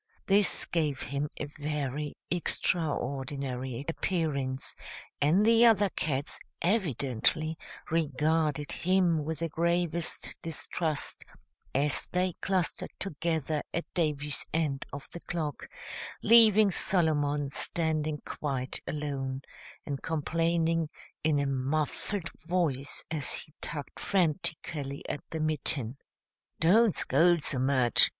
This gave him a very extraordinary appearance, and the other cats evidently regarded him with the gravest distrust as they clustered together at Davy's end of the clock, leaving Solomon standing quite alone, and complaining in a muffled voice as he tugged frantically at the mitten. "Don't scold so much!"